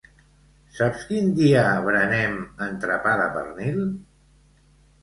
Saps quin dia berenem entrepà de pernil?